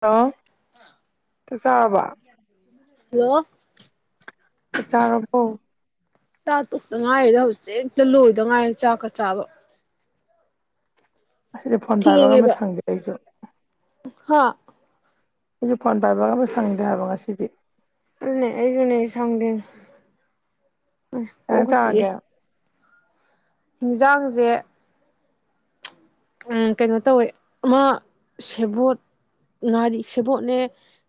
hello ꯆꯥꯛ ꯆꯥꯔꯕꯣ hello ꯆꯥꯛ ꯆꯥꯔꯕꯣ ꯆꯥꯛ ꯇꯣꯛꯇ ꯉꯥꯏꯔꯤꯗ ꯍꯧꯖꯤꯛꯇ ꯂꯣꯏꯗ ꯉꯥꯏꯔꯤ ꯆꯥꯛꯀ ꯆꯥꯕ ꯑꯁꯤꯗ ꯐꯣꯟ ꯄꯥꯏꯕꯒ ꯑꯝꯇ ꯊꯦꯡꯉꯦꯕ ꯁꯪꯗꯦ ꯑꯩꯁꯨ ꯍꯥ ꯑꯩꯁꯨ ꯐꯣꯟ ꯄꯥꯏꯕꯒ ꯑꯝꯇ ꯁꯪꯗꯦ ꯍꯥꯏꯕ ꯉꯁꯤꯗꯤ ꯑꯗꯨꯅꯦ ꯑꯩꯁꯨꯅꯦ ꯁꯪꯗꯦ ꯀꯩ ꯏꯟꯖꯥꯡ ꯀꯣꯛꯀ ꯆꯤꯛꯏ ꯆꯥꯔꯒꯦ ꯍꯤꯟꯖꯥꯡꯁꯦ ꯀꯩꯅꯣ ꯇꯧꯋꯦ ꯑꯃꯥ ꯁꯦꯕꯣꯠ ꯉꯥꯔꯤ ꯁꯦꯕꯣꯠꯅꯦ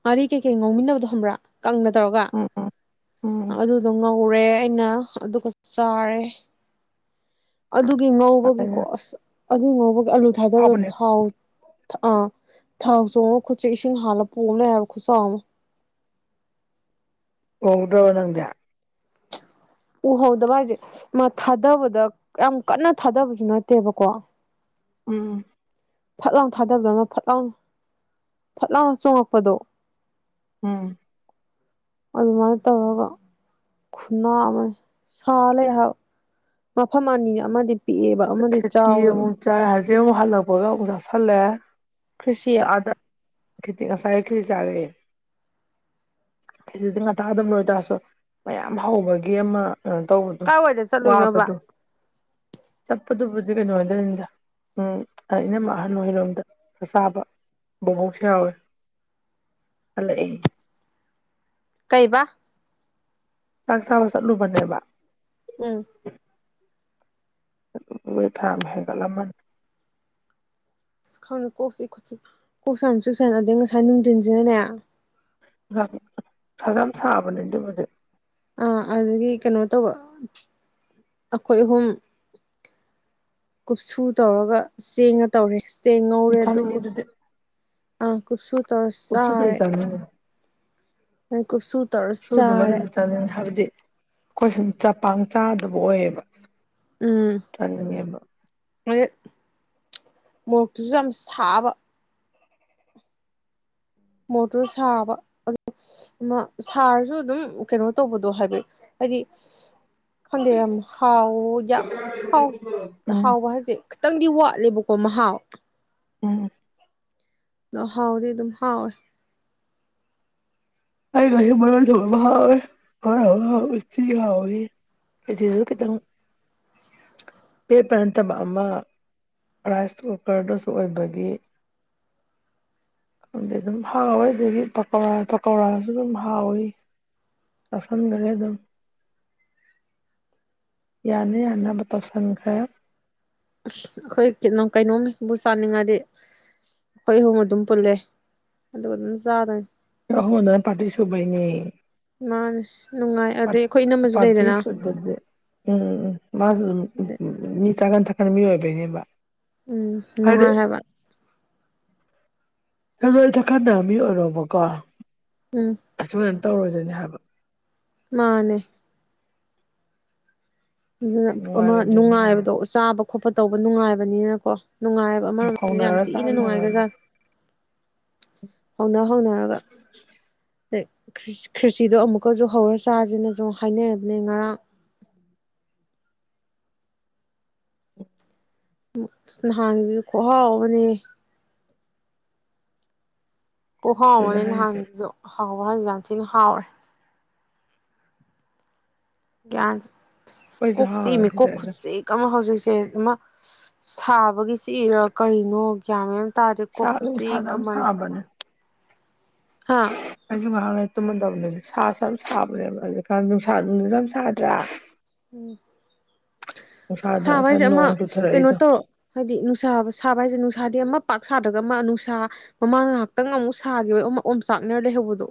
ꯉꯥꯔꯤ ꯀꯩꯀꯩ ꯉꯥꯎꯃꯤꯟꯅꯕꯗꯣ ꯈꯪꯕ꯭ꯔꯥ ꯀꯪꯅ ꯇꯧꯔꯒ ꯎꯝ ꯎꯝ ꯎꯝ ꯑꯗꯨꯗꯣ ꯉꯧꯔꯦ ꯅ ꯑꯗꯨꯒ ꯆꯥꯔꯦ ꯑꯗꯨꯒꯤ ꯉꯧꯕꯒꯤꯀꯣ ꯐꯔꯦꯅꯦ ꯑꯁ ꯑꯗꯨꯒꯤ ꯉꯧꯕꯒꯤ ꯑꯂꯨ ꯊꯥꯗꯕꯗ ꯑꯍꯥꯎꯕꯅꯦ ꯊꯥꯎ ꯑ ꯊꯥꯎ ꯆꯣꯡꯉ ꯈꯨꯠꯁꯦ ꯏꯁꯤꯡ ꯍꯥꯥꯟꯂ ꯄꯣꯝ ꯂꯩꯔꯦ ꯍꯥꯏꯕ ꯈꯨꯠꯁꯦ ꯈꯨꯆꯥꯎ ꯑꯃ ꯎꯍꯧꯗ꯭ꯔꯕ ꯅꯪꯗꯤ ꯎꯍꯧꯗꯕ ꯍꯥꯏꯁꯦ ꯃꯥ ꯊꯥꯗꯕꯗ ꯌꯥꯝ ꯀꯟꯅ ꯊꯥꯗꯕꯁꯨ ꯅꯠꯇꯦꯕꯀꯣ ꯎꯝ ꯐꯠ ꯂꯥꯎꯅ ꯊꯥꯗꯕꯗꯅ ꯐꯠ ꯂꯥꯎꯅ ꯐꯠ ꯂꯥꯎꯅ ꯆꯣꯉꯛꯄꯗꯣ ꯎꯝ ꯑꯗꯨꯃꯥꯏꯅ ꯇꯧꯔꯒ ꯈꯨꯅꯥ ꯑꯃ ꯁꯥ ꯂꯩ ꯍꯥꯏꯕ ꯃꯐꯝ ꯃꯅꯤ ꯑꯃꯗꯤ ꯄꯤꯛꯑꯦꯕ ꯑꯃꯗꯤ ꯆꯥꯎꯋꯦꯕ ꯆꯦ ꯃꯣ ꯍꯜꯂꯛꯕꯒꯕꯨ ꯆꯥꯁꯜꯂꯦ ꯀ꯭ꯁꯤꯌꯥ ꯀꯈꯤꯁꯥꯏꯈꯜ ꯆꯥꯔꯦ ꯀꯖꯤꯗꯤ ꯉꯥꯛꯇꯥꯒꯗꯕꯅ ꯑꯣꯏꯇꯥꯔꯁꯨ ꯃꯌꯥꯝ ꯍꯧꯕꯒꯤ ꯑꯃ ꯇꯧꯕꯗꯣ ꯀꯥꯏꯋꯥꯏꯗ ꯆꯠꯂꯨꯏꯅꯣꯕ ꯋꯥꯕꯗꯣ ꯑꯞꯄꯗꯨꯕꯨꯗꯤ ꯀꯩꯅꯣ ꯑꯣꯏꯗꯣꯏꯅꯤꯗ ꯎꯝ ꯑꯩꯅ ꯑꯍꯜ ꯑꯣꯏꯔꯣꯝꯗ ꯆꯥꯕ ꯕꯣꯛꯁꯌꯥꯋ ꯑꯣꯏ ꯍ ꯑꯩ ꯀꯩꯕ ꯆꯥꯛ ꯆꯥꯕ ꯆꯠꯂꯨꯕꯅꯦꯕ ꯎꯝ ꯊ ꯑꯃ ꯍꯦꯒ ꯂꯝꯃꯟ ꯁꯤ ꯈꯥꯎꯅ ꯀꯣꯁꯤꯣ ꯀꯣꯁꯥꯎꯅꯁꯨ ꯁꯅꯗ ꯉꯁꯥ ꯅꯨꯅꯨꯡꯗꯟꯁꯤꯅꯦ ꯁꯖꯥꯝ ꯁꯥꯕꯅꯤ ꯑꯗꯨꯕꯗ ꯑꯗꯨꯗꯒꯤ ꯀꯩꯅꯣ ꯇꯧꯕ ꯑꯩꯈꯣꯏ ꯑꯍꯨꯝ ꯀꯨꯞꯁꯨ ꯇꯧꯔꯒ ꯆꯦꯡꯉ ꯇꯧꯔꯦ ꯆꯦꯡ ꯉꯧꯔꯦ ꯑꯗꯨ ꯆꯥꯅꯤꯡꯉꯦ ꯑꯗꯨꯗꯤ ꯑ ꯀꯨꯞꯁꯨ ꯇꯧꯔ ꯀꯨꯞꯁꯨꯇꯩ ꯆꯥꯔꯦ ꯆꯥꯅꯤꯡꯉꯦ ꯈꯨ ꯁꯨ ꯁꯨ ꯑꯗꯨꯃ ꯑꯗꯨ ꯆꯠꯅꯤꯡ ꯍꯥꯏꯕꯗꯤ ꯑꯩꯈꯣꯏ ꯁꯨꯝ ꯆꯄꯥꯡ ꯆꯥꯗꯕ ꯑꯣꯏꯌꯦꯕ ꯎꯝ ꯊꯉꯦꯃ ꯑꯗꯩ ꯃꯣꯔꯣꯛꯇꯨꯁꯨ ꯌꯥꯝ ꯁꯥꯕ ꯃꯣꯇꯣꯔ ꯁꯥꯕ ꯁꯥꯔꯁꯨ ꯑꯗꯨꯝ ꯀꯩꯅꯣ ꯇꯧꯕꯗꯣ ꯍꯥꯏꯐꯗꯤ ꯍꯥꯏꯗꯤ ꯈꯪꯗꯦꯔ ꯍꯥꯎꯗ ꯍꯥꯎ ꯎꯝ ꯍꯥꯎꯕ ꯍꯥꯏꯁꯦ ꯈꯤꯇꯪꯗꯤ ꯋꯥꯠꯂꯦꯕꯀꯣ ꯃꯍꯥꯎ ꯎꯝ ꯑ ꯍꯥꯎꯗꯤ ꯑꯗꯨꯝ ꯍꯥꯎꯣꯏ ꯑꯤ ꯌꯧꯒꯤꯛ [unintelligible] [unintelligible] ꯀ ꯀꯇ ꯄ ꯄꯔꯇꯝꯕ ꯔꯥꯏꯁ ꯀꯨꯀꯔꯗꯨꯁꯨ ꯑꯣꯏꯕꯒꯤ ꯑꯗꯨ ꯍꯥꯎꯗꯗꯤ ꯄ ꯀꯧꯔꯥꯁꯨ ꯑꯗꯨꯝ ꯍꯥꯎꯋꯤ ꯆꯥꯥꯁꯟꯈꯔꯦ ꯑꯗꯨꯝ ꯌꯥꯅꯤ ꯌꯥꯝꯅꯥꯕꯇ ꯁꯪꯒ꯭ꯔ ꯑꯁ ꯑꯩꯈꯣꯏ ꯀꯩꯅꯣꯝꯕꯨ ꯆꯥꯅꯤꯡꯉꯗꯤ ꯑꯩꯈꯣꯏ ꯑꯍꯨꯝ ꯑꯗꯨꯝ ꯄꯨꯜꯂꯦ ꯑꯗꯨꯒ ꯑꯗꯨꯝ ꯆꯥꯗꯣꯏꯅꯤ ꯑ ꯍꯣ ꯅ ꯄꯥꯇꯁꯨ ꯩꯅꯤ ꯃꯥꯅꯦ ꯅꯨꯡꯉꯥꯏ ꯑꯗꯩ ꯑꯩꯈꯣꯏ ꯏꯅꯝꯃꯁꯨ ꯂꯩꯗꯅ ꯄꯔꯖ ꯁꯦ ꯎꯝ ꯃꯥ ꯃꯤ ꯆꯒ ꯊ ꯈꯔꯃꯤ ꯑꯣꯏꯕꯩꯅꯦꯕ ꯎꯝ ꯍꯥꯏꯗꯤ ꯅꯨꯡꯉꯥꯏ ꯍꯥꯏꯕ ꯍ ꯊ ꯈꯥꯟꯅꯃꯤ ꯑꯣꯏꯔꯕꯀꯣ ꯎꯝ ꯇꯧꯔꯣꯏꯗꯣꯏꯅꯤ ꯍꯥꯏꯕ ꯃꯥꯅꯦ ꯑꯗꯨꯅ ꯑꯃ ꯅꯨꯡꯉꯥꯏꯔꯣꯏꯗꯣꯏꯅꯦ ꯍꯥꯏꯕ ꯅꯨꯡꯉꯥꯏꯕꯗꯣ ꯆꯥꯕ ꯈꯣꯠꯄ ꯇꯧꯕ ꯅꯨꯡꯉꯥꯏꯕꯅꯤꯅꯀꯣ ꯅꯨꯡꯉꯥꯏꯕ ꯑꯃꯔꯣꯝꯗ ꯌꯥꯝ ꯍꯧꯅꯔ ꯆꯥꯛ ꯊꯤꯅ ꯊꯣꯡꯉꯗꯤ ꯅꯨꯡꯉꯥꯏꯈ꯭ꯔꯖꯥꯠ ꯍꯧꯅ ꯍꯧꯅꯔꯒ ꯈ꯭ꯔꯤꯁꯤꯗꯣ ꯑꯃꯨꯛꯀꯁꯨ ꯍꯧꯔ ꯆꯥꯁꯤꯅꯁꯨ ꯍꯥꯏꯅꯕꯅꯦ ꯉꯔꯥꯡ [inaudible] ꯅꯍꯥꯟꯒꯤ ꯈꯍꯥꯎ ꯑꯃꯅꯦ ꯑꯣ ꯑꯗꯨꯅꯦ ꯍꯥꯎꯕꯅꯦ ꯍꯥꯏꯁꯦ ꯅꯍꯥꯟꯁꯤꯁꯨ ꯍꯥꯎꯕ ꯍꯥꯏꯥꯟꯁꯨ ꯌꯥꯝ ꯊꯤꯅ ꯍꯥꯎꯔꯦ ꯌꯥ ꯑꯩꯈꯣꯏꯁꯨ ꯀꯣꯛ ꯍꯥꯎꯔꯦ ꯁꯤꯃꯤ ꯁꯤꯗꯩꯗ ꯀꯣꯛꯁꯦ ꯀꯃ ꯍꯖ ꯆꯦ ꯑꯃ ꯁꯥꯕꯒꯤꯁꯤ ꯏꯔ ꯀꯔꯤꯅꯣ ꯀꯒ꯭ꯌꯥꯃꯦꯟ ꯁꯥ ꯇꯥꯔꯦꯀꯣꯈꯨꯁꯤ ꯅꯨꯡꯁꯥꯁꯨ ꯌꯥꯝ ꯀꯃꯅꯤ ꯁꯥꯕꯅꯦ ꯑꯥ ꯅꯨꯡ ꯉꯥꯡ ꯂꯩ ꯇꯨꯝꯃꯟꯗꯕꯅꯤ ꯁꯥꯁꯨ ꯌꯥꯝ ꯁꯥꯕꯅꯦꯕ ꯑꯗꯨꯖꯤꯛꯀꯥꯟ ꯅꯨꯡꯁꯥ ꯅꯨꯡꯗꯤ ꯌꯥꯝ ꯁꯥꯗ꯭ꯔꯦꯥ ꯎꯝ ꯅꯨꯡꯁꯥꯗꯣ ꯁꯥꯕ ꯉꯁꯥꯏ ꯍꯥꯏꯁꯦ ꯑꯃ ꯅꯣꯡ ꯀꯩꯅꯣ ꯆꯨꯊꯔꯛꯏꯗꯣ ꯇꯧꯔꯣ ꯍꯥꯏꯗꯤ ꯅꯨꯡꯁꯥꯕ ꯁꯥꯕ ꯍꯥꯏꯁꯦ ꯅꯨꯡꯁ ꯅꯨꯡꯁꯥꯗꯤ ꯑꯃ ꯄꯥꯛ ꯁꯥꯗ꯭ꯔꯒ ꯑꯃ ꯅꯨꯡꯁꯥ ꯃꯃꯥꯡ ꯉꯍꯥꯛꯇꯪ ꯑꯃꯨꯛ ꯁꯥꯈꯤꯕ ꯑꯃꯛ ꯑꯣꯝ ꯆꯥꯛꯅꯔ ꯂꯩꯍꯧꯕꯗꯣ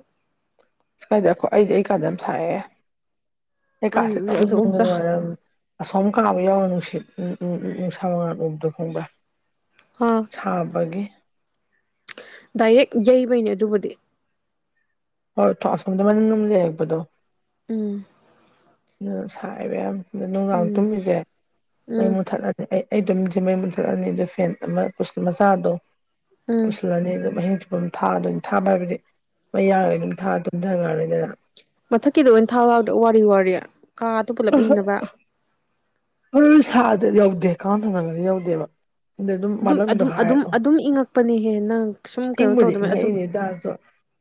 ꯁ ꯀꯥꯏꯗꯈꯣ ꯑꯩꯁꯦ ꯑꯩ ꯀꯥꯟꯗ ꯁꯥꯏꯑꯦ ꯍ ꯀꯥꯁꯦ ꯇ ꯑꯗꯨ ꯑꯣꯝꯆꯥꯛ ꯅꯪꯒꯔ ꯑꯁꯣꯝ ꯀꯥꯕ ꯌꯥꯎꯔꯣ ꯅꯨꯡꯁꯤꯠ ꯎꯝ ꯎꯝ ꯎꯝ ꯅꯨꯡꯁꯥ ꯃꯉꯥꯜ ꯎꯕꯗꯣ ꯈꯪꯕ꯭ꯔꯥ ꯑꯥ ꯁꯥꯕꯒꯤꯦ ꯗꯥꯏꯔꯦꯛ ꯌꯩꯕꯩꯅꯦ ꯑꯗꯨꯕꯨꯗꯤ ꯍꯣꯏ ꯑꯁꯝꯗ ꯃꯅꯤ ꯅ ꯂꯩꯕꯗꯣ ꯎꯝ ꯑꯗꯨ ꯁꯥꯏꯕ ꯌꯥꯝ ꯅꯨꯡꯗꯥꯡ ꯎꯝ ꯇꯨꯝꯃꯤꯁꯦ ꯃꯩ ꯎꯝ ꯃꯨꯊꯠꯂꯅꯤ ꯑꯩ ꯑꯩ ꯑꯗꯨꯝ ꯃꯌ ꯃꯨꯟꯊꯠꯂꯅꯤ ꯑꯗꯨ ꯐꯦꯟ ꯑꯃ ꯃꯆꯥꯗꯣ ꯎꯝ ꯄꯨꯁꯤꯜꯂꯅꯤ ꯑꯗꯨ ꯃꯍ ꯑꯗꯨꯝ ꯊꯥ ꯑꯗꯨ ꯊꯥꯕ ꯍꯥꯏꯕꯗꯤ ꯃꯩ ꯌꯥꯔꯒ ꯑꯗꯨꯝ ꯊꯥ ꯇꯨꯝꯊꯈ꯭ꯔꯅꯤꯗꯅ ꯃꯊꯛꯀꯤꯗ ꯑꯣꯏꯅ ꯊꯥꯎ ꯌꯥꯗ ꯋꯥꯔꯤ ꯋꯥ ꯀꯥꯗ ꯄꯨꯂꯞ ꯏꯪꯅꯕ ꯁꯥꯗ ꯌꯧꯗꯦ ꯀ ꯐꯖꯒꯗꯤ ꯌꯧꯗꯦꯕ ꯑꯗ ꯑꯗꯨꯝ ꯃꯅꯨꯡꯗ ꯑꯗꯨꯝ ꯍꯥꯏ ꯑꯗꯨꯝ ꯑꯗꯨꯝ ꯏꯪꯉꯛꯄꯅꯦꯍꯦꯟꯅꯪ ꯏꯪꯕꯨꯗꯤ ꯏꯪꯉꯏꯅꯦꯗꯁꯨ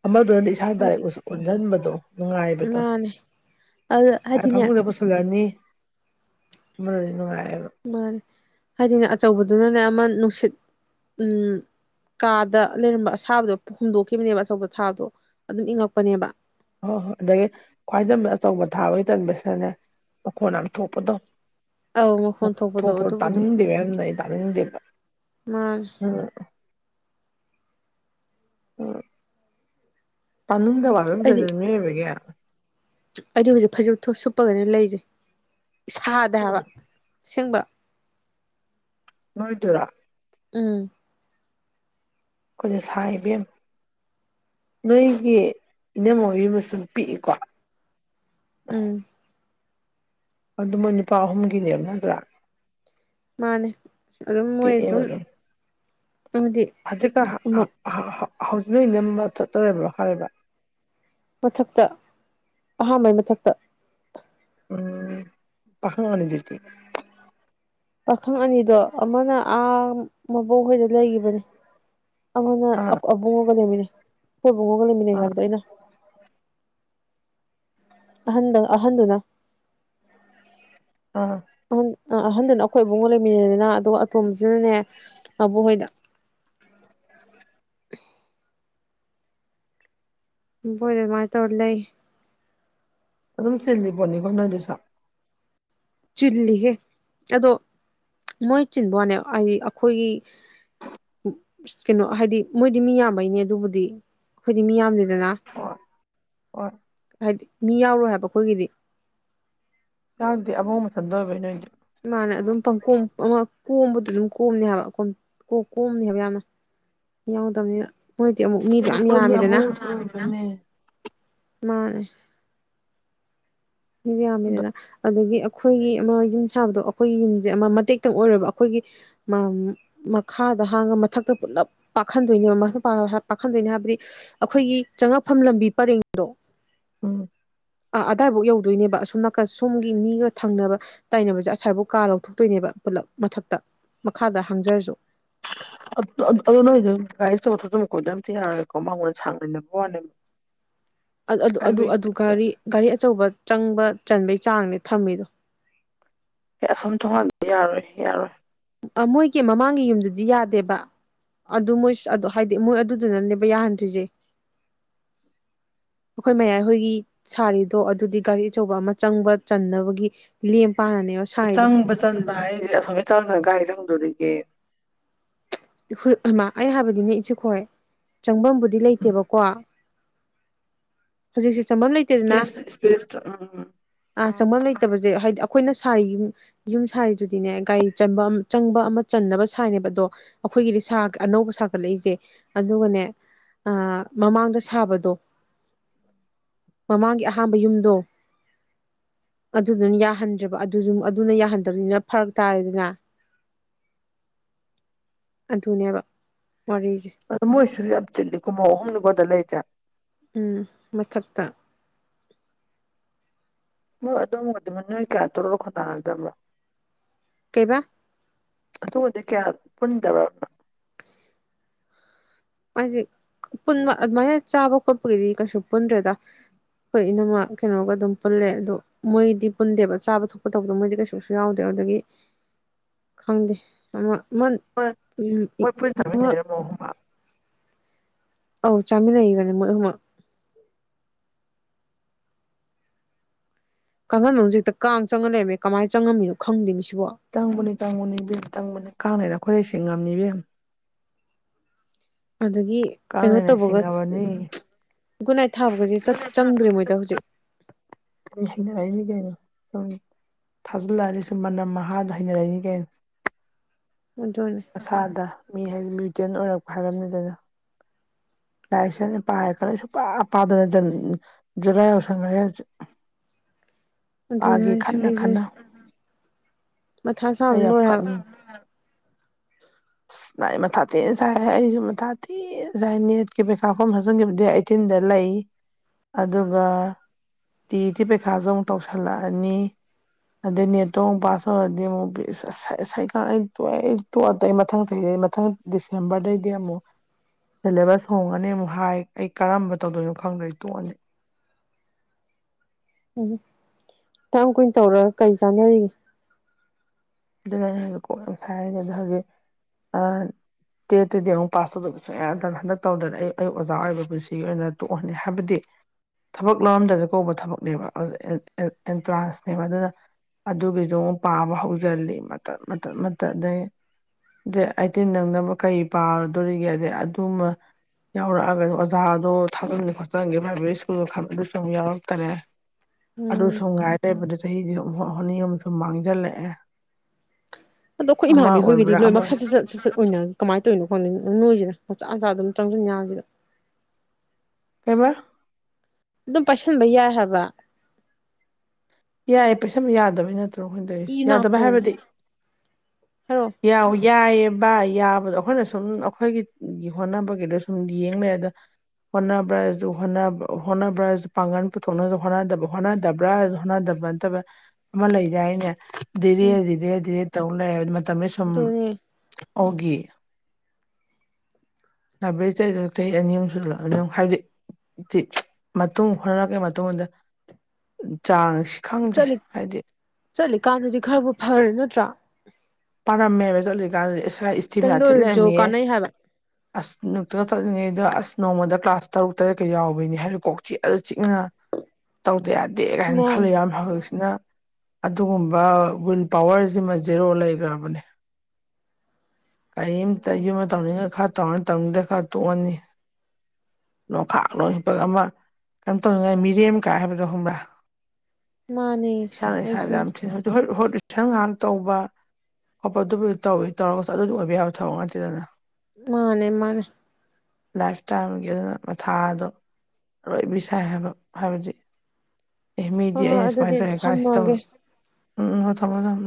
ꯑꯃꯗꯨꯅ ꯏꯁꯥ ꯍꯥꯏꯗꯤ ꯥꯏꯔꯤꯛꯄꯨꯁꯨ ꯑꯣꯟꯁꯤꯟꯕꯗꯣ ꯅꯨꯡꯉꯥꯏꯕꯗꯣ ꯃꯥꯅꯦ ꯑꯗꯨ ꯑ ꯍꯥꯏꯗꯤꯅꯦ ꯐꯥꯃꯨꯡꯅ ꯄꯨꯁꯜꯂꯅꯤ ꯅꯨꯡꯉꯥꯏ ꯃꯥꯦ ꯍꯥꯏꯗꯤꯅꯦ ꯑꯆꯧꯕꯗꯨꯅꯅꯦ ꯑꯃ ꯅꯨꯡꯁꯤꯠ ꯎꯝ ꯀꯥꯗ ꯂꯩꯔꯝꯕ ꯑꯁꯥꯕꯗꯣ ꯍꯨꯝꯗꯣꯛꯈꯤꯕꯅꯦꯕ ꯑꯆꯧꯕ ꯊꯥꯕꯗꯣ ꯑꯗꯨꯝ ꯏꯪꯉꯛꯄꯅꯦꯕ ꯍꯣꯏ ꯍꯣꯏ ꯑꯗꯒꯤ ꯈ꯭ꯋꯥꯏꯗꯒꯤ ꯑꯆꯧꯕ ꯊꯥꯕꯒꯤ ꯆꯟꯁꯤꯅꯅꯦ ꯃꯈꯣꯏꯅꯅ ꯊꯣꯛꯄꯗꯣ ꯑꯧ ꯃꯈꯣꯟ ꯊꯣꯛꯄꯗꯣ ꯇꯥꯅꯤꯡꯗꯦꯕꯔꯝꯗꯩꯗ ꯑꯗꯨꯗꯤ ꯃꯥ ꯎ ꯃꯅꯨꯡꯗ ꯑꯩꯗꯤ ꯋꯥꯔꯝꯗ꯭ꯔꯗ ꯅꯏꯕꯒꯦ ꯑꯩꯗꯤ ꯍꯧꯖꯤꯛ ꯐꯁꯨ ꯁꯨꯞꯄꯒꯅꯦ ꯂꯩꯁꯦ ꯏꯁꯥꯗ ꯍꯥꯏꯕ ꯎꯝ ꯁꯦꯡꯕ ꯅꯣꯏ ꯇꯨꯔꯥ ꯎꯝ ꯑꯩꯈꯣꯏꯗꯤ ꯁꯥ ꯏꯕꯦꯝ ꯅꯣꯏꯒꯤ ꯏꯅꯝ ꯍꯕꯤ ꯑꯃꯁ ꯄꯤꯛꯏꯀꯣ ꯎꯝ ꯑꯗꯨꯃ ꯅꯨꯄꯥ ꯑꯍꯨꯝꯒꯤꯅꯦꯕ ꯅꯠꯇ꯭ꯔꯥ ꯃꯥꯅꯦ ꯑꯗꯨꯝ ꯃꯣꯏ ꯑꯗꯨꯝ ꯍꯥꯏꯗꯤ ꯍꯧꯖꯤ ꯀ ꯍꯧꯖꯤꯛꯅꯖꯤꯅ ꯂꯞ ꯆꯠꯇꯕ꯭ꯔ ꯍꯥꯏꯔꯦꯕ ꯃꯊꯛꯇ ꯑꯍꯥꯟꯕꯩ ꯃꯊꯛꯇ ꯎꯝ ꯄꯈꯉ ꯃꯅꯤꯗꯤꯔꯛꯇꯦ ꯄꯥꯈꯪ ꯑꯅꯤꯗꯣ ꯑꯃꯅ ꯑꯥ ꯃꯕꯨꯡꯈꯣꯏꯗ ꯂꯩꯈꯤꯕꯅꯦ ꯑꯃꯅ ꯑꯥ ꯑꯕꯨꯡꯉꯒ ꯂꯩꯃꯤꯅꯦ ꯑꯩꯈꯣꯏꯕꯨꯡꯉꯣꯒ ꯂꯩꯃꯤꯟꯅꯩ ꯑꯥ ꯍꯥꯏꯕꯗꯣ ꯑꯩꯅ ꯑꯍꯟꯗꯪ ꯑꯍꯟꯗꯨꯅ ꯑꯥ ꯑ ꯑ ꯑꯍꯟꯗꯨꯅ ꯑꯩꯈꯣꯏ ꯏꯕꯨꯡꯉꯣ ꯂꯩꯃꯤꯟꯅꯅꯤꯅ ꯑꯗꯣ ꯑꯇꯣꯝꯕꯁꯤꯅꯅꯦ ꯃꯕꯣꯛꯍꯣꯏꯗ ꯄꯨ ꯃꯥ ꯇꯧꯔ ꯂꯩ ꯑꯗꯨ ꯑꯗꯨꯝ ꯁꯤꯜꯂꯤ ꯄꯣꯅꯤ ꯀꯅ ꯁꯥ ꯆꯤꯜꯂꯤꯍꯦ ꯑꯗꯣ ꯃꯣꯏ ꯆꯤꯟꯕ ꯋꯥꯅꯦ ꯍꯥꯏꯗꯤ ꯑꯩꯈꯣꯏꯒꯤ ꯀꯩꯅꯣ ꯍꯥꯏꯗꯤ ꯃꯣꯏꯗꯤ ꯃꯤ ꯌꯥꯝꯕꯩꯅꯦ ꯑꯗꯨꯕꯨꯗꯤ ꯑꯩꯈꯣꯏꯗꯤ ꯃꯤ ꯌꯥꯝꯗꯦꯗꯅ ꯍꯣꯏ ꯍꯣꯏ ꯍꯥꯏꯗꯤ ꯃꯤ ꯌꯥꯎꯔꯣꯏ ꯍꯥꯏꯕ ꯈꯣꯏꯒꯤꯗꯤ ꯌꯥꯎꯗꯦ ꯑꯕꯣꯕꯊꯟꯗ ꯑꯣꯏꯕꯒꯤ ꯅꯣꯏꯗ ꯃꯥꯅꯦ ꯑꯗꯨꯝ ꯄꯪꯀꯣꯝ ꯀꯣꯝꯕꯗ ꯑꯗꯨꯝ ꯀꯣꯝꯅꯦ ꯍꯥꯏꯕ ꯀꯣꯝꯅꯤ ꯍꯥꯏꯕ ꯌꯥꯝꯅ ꯌꯥꯎꯗꯕꯅꯤꯅ ꯃꯣꯏ ꯑꯃꯨꯛ ꯃꯤꯗꯣ ꯌꯥꯝ ꯑꯩꯈꯣꯏꯅ ꯌꯥꯝꯃꯤꯗꯅ ꯑꯕꯣꯛ ꯑꯣꯏꯕꯅꯦ ꯃꯥꯅꯦ ꯑꯗꯣ ꯌꯥꯃꯤꯗꯅ ꯑꯗꯒꯤ ꯑꯩꯈꯣꯏꯒꯤ ꯑꯃ ꯌꯨꯝ ꯁꯥꯕꯗꯣ ꯑꯩꯈꯣꯏꯒꯤ ꯌꯨꯝꯁꯦ ꯑꯃ ꯃꯇꯦꯛꯇꯪ ꯑꯣꯏꯔꯕ ꯑꯩꯈꯣꯏꯒꯤ ꯃꯈꯥ ꯃꯊꯛꯇ ꯄꯨꯂꯞ ꯄꯥꯛꯍꯟꯗꯣꯏꯅꯦ ꯄꯥꯛꯍꯟꯗꯣꯏꯅꯦ ꯍꯥꯏꯕꯗꯤ ꯑꯩꯈꯣꯏꯒꯤ ꯆꯪꯉꯛꯐꯝ ꯕꯤꯄꯥꯔꯦꯡꯗꯣ ꯎꯝ ꯑ ꯑꯗꯕ ꯌꯧ ꯗꯣꯏꯅꯦꯕ ꯑꯁꯣꯝ ꯅꯥꯀ ꯁꯣꯝꯒꯤ ꯃꯤꯒ ꯊꯪꯅꯕ ꯇꯥꯏꯅꯕꯁꯦ ꯑꯁꯥꯏꯕꯨꯥꯎ ꯀꯥ ꯂꯧꯊꯣꯛꯇꯣꯏꯅꯦꯕ ꯄꯨꯂꯞ ꯃꯊꯛꯇ ꯃꯈꯥꯗ ꯍꯥꯡꯖꯔꯁꯨ ꯑꯗꯨꯣ ꯅꯣꯏꯗ ꯒꯥꯔꯤ ꯆꯊꯣꯛꯆ ꯃꯈ ꯈꯣꯏꯗ ꯑꯝꯇ ꯌꯥꯔꯒꯦꯀꯣ ꯃꯉꯣꯟꯗ ꯁꯥꯡꯅꯅꯕ ꯋꯥꯅꯦ ꯒꯥꯔꯤ ꯒꯥꯔꯤ ꯑꯆꯧꯕ ꯆꯪꯕ ꯆꯟꯕꯩ ꯆꯥꯡꯅꯦ ꯊꯝꯃꯤꯗꯣ ꯑꯁꯝ ꯊ ꯍ ꯏꯔꯣꯏ ꯏ ꯌꯥꯔꯣꯏ ꯃꯣꯏꯒꯤ ꯃꯃꯥꯡꯒꯤ ꯌꯨꯝꯗꯨꯗꯤ ꯌꯥꯗꯦꯕ ꯑꯗꯨ ꯃꯣꯏ ꯑꯗꯨ ꯍꯥꯏꯗꯤ ꯃꯣꯏ ꯑꯗꯨꯗꯨꯅꯅꯦꯕ ꯌꯥꯍꯟꯗ꯭ꯔꯤꯁꯦ ꯎ [inaudible] ꯑꯩꯈꯣꯏ ꯃꯌꯥꯏꯍꯣꯏꯒꯤ ꯁꯥꯔꯤꯗꯣ ꯑꯗꯨꯗꯤ ꯒꯥꯔꯤ ꯑꯆꯧꯕ ꯑꯃ ꯆꯪꯕ ꯆꯟꯅꯕꯒꯤ ꯂꯦꯝ ꯄꯥꯅꯅꯦꯕ ꯁꯥꯔꯤꯗꯣ ꯆꯪꯕ ꯆꯟꯕ ꯍꯥꯏꯁꯦ ꯑꯁꯣ ꯆꯪꯗꯒꯥꯏ ꯆꯪꯗꯗꯒꯤ ꯍꯃ ꯑꯩ ꯍꯥꯏꯕꯗꯤꯅꯦ ꯏꯁꯨꯦ ꯈꯣꯏ ꯆꯪꯐꯝꯕꯨꯗꯤ ꯂꯩꯇꯦꯕꯀꯣ ꯍꯧꯖꯤ ꯆꯪꯕꯝ ꯂꯩꯇꯦꯗꯅ ꯏꯁꯄꯦꯁ ꯏꯁꯄꯦꯁꯇ ꯎꯝ ꯑ ꯆꯪꯕꯝ ꯂꯩꯇꯕꯁꯦ ꯍꯥꯏꯗꯤ ꯑꯩꯈꯣꯏꯅ ꯁꯥꯔꯤ ꯌꯨꯝ ꯌꯨꯝ ꯁꯥꯔꯤꯗꯨꯗꯤꯅꯦ ꯒꯥꯔꯤ ꯆꯟꯕ ꯆꯪꯕ ꯑꯃ ꯆꯟꯅꯕ ꯁꯥꯥꯏꯅꯦꯕ ꯑꯗꯣ ꯈꯣꯏꯒꯤꯗꯤ ꯑꯅꯧꯕ ꯁꯥꯒꯠꯂꯛꯏꯁꯦ ꯑꯗꯨꯒꯅꯦ ꯑ ꯃꯃꯥꯡꯗ ꯁꯥꯕꯗꯣ ꯃꯃꯥꯡꯒꯤ ꯑꯍꯥꯟꯕ ꯌꯨꯝꯗꯣ ꯑꯗꯨꯗꯨꯅ ꯌꯥꯍꯟꯗ꯭ꯔꯦꯕ ꯑꯗꯨꯁꯨ ꯑꯗꯨꯅ ꯌꯥꯍꯟꯗꯕꯅꯤꯅ ꯐꯔꯛ ꯇꯥꯔꯦꯗꯅ ꯑꯗꯨꯨꯅꯦꯕ ꯑ ꯃꯣꯏꯁꯤꯁꯨ ꯌꯥꯝ ꯆꯤꯜꯂꯤ ꯀꯨꯝꯃꯧ ꯑꯍꯨꯝꯗꯨꯒꯗ ꯂꯩꯁꯦ ꯎꯝ ꯃꯊꯛꯇ ꯃꯣꯏ ꯑꯗꯨꯗꯣꯝꯒꯗꯤꯃ ꯅꯣꯏ ꯀꯌꯥ ꯇꯔꯒ ꯈꯣꯟꯗꯥꯅꯗꯕ꯭ꯔꯣ ꯀꯩꯕꯥ ꯑꯗꯨꯕꯨꯗꯤ ꯀꯌꯥ ꯄꯨꯟꯗ꯭ꯔꯅꯣ [inaudible] ꯍꯥꯏꯗꯤ ꯄꯨꯟꯕ ꯑꯗꯨꯃꯥꯏꯅ ꯆꯥꯕ ꯈꯣꯠꯄꯒꯤꯗꯤ ꯀꯩꯁꯨ ꯄꯨꯟꯗ꯭ꯔꯦꯗ ꯍꯣꯏ ꯏꯅꯃ ꯀꯩꯅꯣꯒ ꯑꯗꯨꯝ ꯄꯨꯜꯂꯦ ꯑꯗꯣ ꯃꯣꯏꯗꯤ ꯄꯨꯟꯗꯦꯕ ꯆꯥꯕ ꯊꯣꯛꯄ ꯇꯧꯕꯗꯣ ꯃꯣꯏꯗꯤ ꯀꯩꯁꯨ ꯌꯥꯎꯗꯦ ꯑꯗꯒꯤ ꯈꯪꯗꯦ ꯑꯃ ꯃ ꯃꯣꯏ ꯃꯣꯏ ꯄꯨꯟ ꯎꯝ ꯍ ꯆꯥꯃꯤꯟꯅꯩꯔ [inaudible] ꯃꯧ ꯑꯍꯨꯝ ꯑꯧ ꯆꯥꯃꯤ ꯂꯩꯏ ꯃꯅꯤ ꯀꯥꯡꯈꯜꯂꯅꯨꯡ ꯍꯦꯛꯇ ꯀꯥꯡ ꯆꯪꯉ ꯂꯩꯔꯝꯃꯦ ꯀꯃꯥꯏꯅ ꯆꯪꯉꯝꯃꯤꯅꯣ ꯈꯪꯗꯦ ꯃꯤ ꯁꯤꯐꯥꯎ ꯇꯪꯕꯅꯤ ꯇꯪꯕꯅꯤ ꯏꯕꯦꯝ ꯇꯪꯕꯅꯤ ꯀꯥꯡꯅꯅꯈꯣꯏꯔꯁꯦ ꯉꯝꯅꯤꯕꯦꯝ ꯑꯗꯒꯤ ꯀ ꯀꯩꯅꯣ ꯂꯩꯅꯦ ꯇꯧꯕꯒ ꯁꯤꯡꯉꯕꯅꯤ ꯒꯨꯗ ꯅꯥꯏꯠ ꯊꯥꯕꯒꯁꯦ ꯆꯪꯗ꯭ꯔꯦ ꯃꯣꯏꯗ ꯍꯧꯖꯤꯛ ꯍꯥꯏꯒ [inaudible] ꯁꯨꯝ ꯊꯥꯖꯤꯜꯂꯛꯑꯅꯤ ꯁꯨꯝ ꯃꯅꯝ ꯃꯍꯥꯗ ꯍꯩꯅꯔꯛꯏꯅꯤ ꯀꯩꯅ ꯑꯗꯨꯅꯦ ꯑꯁꯥꯗ ꯃꯤ ꯍꯥꯏꯁꯦ ꯃ꯭ꯌꯨꯇꯦꯟ ꯑꯣꯏꯔꯛꯄ ꯍꯥꯏꯕꯅꯩꯗꯅ ꯂꯥꯏꯁꯦ ꯄꯥꯏ ꯈꯂꯥ ꯁꯨꯡ ꯄꯥꯗꯅ ꯖꯨꯔ ꯌꯥꯎꯁꯪꯈ꯭ꯔ ꯑꯗꯨꯅꯦ ꯄꯥꯒꯦ ꯍꯥꯏꯁꯦ ꯈꯟꯅ ꯑꯩꯁꯨꯅꯦ ꯈꯟꯅ ꯃꯊꯥ ꯑꯩ ꯁꯥꯕꯅ ꯌꯥꯝ ꯂꯣꯏꯔꯦ ꯍꯥꯏꯕ ꯀꯂꯤ ꯃꯊꯥ ꯇꯤ ꯁꯥꯏ ꯑꯩꯁꯨ ꯃꯊꯥ ꯇꯤ ꯁꯥꯏ ꯅꯦꯠꯀꯤ ꯄꯩꯀꯥꯐꯝ ꯍꯥꯖꯤꯟꯈꯤꯕꯗꯤ ꯑꯩꯠꯇꯤꯟꯗ ꯂꯩ ꯐ ꯑꯗꯨꯒ ꯇꯦꯀꯤ ꯄꯩꯈꯥꯁꯨ ꯑꯃꯨꯛ ꯇꯧꯁꯜꯂꯛꯑꯅꯤ ꯑꯗꯩ ꯅꯦꯠꯇꯣ ꯑꯃꯨꯛ ꯄꯥꯁ ꯇꯧꯔꯗꯤ ꯑꯃꯨꯛ ꯁꯥꯏꯀꯛꯇꯣꯛꯑꯦꯛꯇ ꯑ ꯑꯩ ꯃꯊꯪ ꯆꯍꯤ ꯑꯩ ꯃꯊꯪ ꯗꯤꯁꯦꯝꯕꯔꯗꯒꯤꯗꯤ ꯑꯃꯨꯛ ꯁꯦꯂꯦꯕꯁ ꯍꯣꯡꯉꯅꯤ ꯑꯃꯨꯛ ꯍꯥꯏ ꯑꯩ ꯀꯔꯝꯕ ꯇꯧꯗꯣꯏꯅꯣ ꯈꯪꯗꯣꯏ ꯇꯣꯛꯑꯅꯤ ꯎꯝ ꯁꯨꯀꯌ꯭ꯥꯝ ꯀꯨꯏꯅ ꯇꯧꯔꯒ ꯀꯩ ꯆꯥꯟꯅꯔꯤ ꯑꯗꯨ ꯅꯀꯣ ꯌꯥꯝ ꯐꯥꯏꯅꯦ ꯑꯗꯨ ꯍꯦ ꯑ ꯇꯦꯠꯇꯨꯗꯤ ꯑꯃꯨꯛ ꯄꯥꯁ ꯇꯧꯗꯕ ꯁꯨꯀꯌꯥ ꯌꯥꯗꯕꯥ ꯍꯟꯗꯛ ꯇꯧꯗꯅ ꯑꯩ ꯑꯩ ꯑꯣꯖꯥ ꯑꯣꯏꯕ ꯄꯨꯟꯁꯤꯒꯤ ꯑꯣꯏꯅ ꯇꯣꯛꯍꯟꯅꯤ ꯍꯥꯏꯕꯗꯤ ꯊꯕꯛ ꯂꯧꯔꯝꯗꯗ ꯀꯧꯕ ꯊꯕꯛꯅꯦꯕ ꯑꯦꯟꯇ꯭ꯔꯥꯟꯁꯅꯦꯕ ꯑꯗꯨꯅ ꯑꯗꯨꯒꯤꯗꯨ ꯑꯃꯨꯛ ꯄꯥꯕ ꯍꯧꯖꯤꯜꯂꯤ ꯃꯇꯥꯠ ꯃꯇꯥꯠ ꯃꯇꯥꯠ ꯑꯗꯩ ꯗꯦꯇ ꯑꯩꯇꯤꯟ ꯅꯪꯅꯕ ꯀꯩ ꯄꯥꯔꯗꯣꯔꯤꯒꯦꯗ ꯑꯗꯨꯃ ꯌꯥꯎꯔꯛꯑꯒꯁꯨ ꯑꯣꯖꯥꯗꯣ ꯊꯥꯆꯟꯒꯦ ꯈꯣꯠꯆꯜꯟꯒꯦ ꯄ꯭ꯔꯥꯏꯚꯦꯠ ꯁ꯭ꯀꯨꯜ ꯑꯗꯨꯁꯨ ꯑꯃꯨꯛ ꯌꯥꯎꯔꯛꯇꯔꯦ ꯎꯝ ꯑꯗꯨꯁꯨ ꯉꯥꯏꯔꯦꯕꯗ ꯆꯍꯤꯁꯤ ꯍꯅꯤ ꯑꯨꯝ ꯁꯨꯝ ꯃꯥꯡꯁꯤꯜꯂꯛꯑꯦ ꯑꯗꯣ ꯑꯩꯈꯣꯏ ꯏꯃꯥꯟꯕꯤ ꯑꯣꯏꯕ꯭ꯔꯥ ꯑꯃ ꯍꯣꯏꯒꯤꯗꯤꯣꯏꯅꯃꯛ ꯁꯠ ꯆꯠ ꯁꯠꯆꯠ ꯑꯣꯏꯅ ꯀꯃꯥꯏꯅ ꯇꯧꯔꯤꯅꯣ ꯅꯣꯏꯁꯤꯗ ꯃꯆꯥ ꯃꯆꯥ ꯑꯗꯨꯝ ꯆꯪꯁꯤꯟ ꯌꯥꯁꯤꯗ ꯀꯩꯍꯥꯌꯕꯥ ꯑꯗꯨꯝ ꯄꯥꯏꯁꯤꯟꯕ ꯌꯥꯏ ꯍꯥꯏꯕ ꯌꯥꯏ ꯄꯩꯁꯥ ꯌꯥꯗꯕꯩ ꯅꯠꯇ꯭ꯔꯣ ꯏ ꯑꯩꯈꯣꯏꯅꯗꯧꯔꯤꯁ ꯌꯥꯗꯕ ꯅꯥꯀꯨ ꯍꯥꯏꯕꯗꯤ ꯍꯥꯏꯔꯣ ꯌꯥ ꯍꯧꯏ ꯌꯥꯏꯑꯌꯦ ꯌꯥꯕꯗꯣ ꯑꯩꯈꯣꯏꯅ ꯁꯨꯝ ꯑꯩꯈꯣꯏꯒꯤ ꯍꯣꯠꯅꯕꯒꯤꯗꯣ ꯁꯨꯝ ꯌꯦꯡꯂꯡꯦ ꯑꯗ ꯍꯣꯠꯅꯕ꯭ꯔꯥꯁꯨ ꯍꯣꯅꯕ ꯍꯣꯠꯅꯕ꯭ꯔꯥꯁꯨ ꯄꯥꯡꯒꯜ ꯄꯨꯊꯣꯛꯅꯕꯁꯨ ꯍꯣꯠꯅꯗ ꯍꯣꯠꯅꯗꯕ꯭ꯔꯥ ꯍꯣꯠꯅꯗꯕ ꯅꯠꯇꯕ ꯑꯃ ꯂꯩꯗꯤ ꯍꯥꯏꯅꯦ ꯗꯤꯔꯦ ꯎꯝ ꯗꯤꯔꯦ ꯗꯤꯔꯦ ꯇꯧ ꯂꯩ ꯇꯃꯤ ꯁꯨꯝ ꯑꯗꯨꯅꯦ ꯎꯒ ꯂꯕꯦꯗ ꯆꯍꯤ ꯑꯅꯤ ꯑꯨ ꯁꯂꯥꯛꯑꯅꯤꯨꯛ ꯍꯥꯏꯕꯗꯤ ꯃꯇꯨꯡ ꯍꯣꯠꯅꯔꯛꯦ ꯃꯇꯨꯡꯗ ꯆꯠꯂꯤꯀꯥꯟꯗꯨꯗꯤ ꯈꯔꯕꯨ ꯐꯔꯦ ꯅꯠꯇ꯭ꯔꯥ ꯄꯥꯔꯝꯃꯦꯕ ꯆꯠꯂꯤꯀꯥꯟꯗ ꯏꯁꯥ ꯏꯁꯇꯤꯞꯅꯥ ꯈꯤꯇꯪꯗ ꯑꯣꯏꯔꯁꯨ ꯆꯠꯂꯛꯑꯝꯃꯤꯌꯦ ꯀꯥꯟꯅꯩ ꯍꯥꯏꯕ ꯑꯁ ꯅꯨꯡꯇꯒ ꯆꯠꯂꯤꯉꯩ ꯑꯗꯨꯒꯗ ꯑꯁ ꯅꯣꯡꯃꯗ ꯀ꯭ꯂꯥꯁ ꯇꯔꯨꯛ ꯇꯔꯦꯠꯀ ꯌꯥꯎꯕꯩꯅꯤ ꯍꯥꯏꯕꯗꯤ ꯀꯣꯛ ꯆꯤꯛꯂ ꯆꯤꯛꯅ ꯇꯧꯗ ꯌꯥꯗꯦ ꯀꯥꯏꯅ ꯈꯂ ꯃꯥꯅꯦ ꯌꯥꯃꯤ ꯍꯧꯖꯤꯛꯁꯤꯅ ꯑꯗꯨꯒꯨꯝꯕ ꯋꯤꯜ ꯄꯋꯔꯁꯤꯃ ꯖꯦꯔꯣ ꯂꯩꯈ꯭ꯔꯕꯅꯦ ꯀꯔꯤꯝꯇ ꯌꯨꯝꯗ ꯇꯧꯅꯤꯡꯉꯒ ꯈꯔ ꯇꯧꯔꯅꯤ ꯇꯧꯅꯤꯡꯗꯦ ꯈꯔ ꯇꯣꯛꯑꯅꯤ ꯅꯣꯡꯐꯥꯛꯂꯣꯏ ꯍꯄ ꯑꯃ ꯀꯩꯅꯣ ꯇꯧꯅꯤꯡꯉꯥꯏ ꯃꯤꯔꯦꯝ ꯀꯥꯏ ꯍꯥꯏꯕꯗꯣ ꯍꯪꯕ꯭ꯔꯥ ꯃꯥꯅꯦ ꯁ ꯑꯩꯁꯨ ꯁ ꯈꯤꯇꯪ ꯉꯥꯏꯍꯥꯛ ꯇꯧꯕ ꯈꯣꯠꯄ ꯑꯗꯨꯕꯨ ꯇꯧꯋꯤ ꯇꯧꯔꯒꯁꯨ ꯑꯗꯨꯗꯤ ꯑꯣꯏꯕ ꯌꯥꯕ ꯊꯕꯛ ꯅꯠꯇꯦꯗꯅ ꯃꯥꯅꯦ ꯃꯥꯅꯦ ꯂꯥꯏꯐ ꯇꯥꯏꯝꯒꯤ ꯑꯗꯨꯅ ꯃꯊꯥꯗꯣ ꯂꯔꯣꯏꯕꯤ ꯁꯥꯏ ꯍꯥꯏꯕ ꯍꯥꯏꯕꯗꯤ ꯑꯦ ꯍꯣꯏ ꯃꯤꯗꯤ ꯍꯣꯏ ꯑꯩꯅ ꯁꯃꯥꯏꯅ ꯑꯗꯨꯗꯤ ꯇꯧꯋꯦ ꯀꯁꯤ ꯇꯧ ꯊꯝꯃꯒꯦ ꯎꯝ ꯊꯝꯃꯣ ꯊꯝꯃꯣ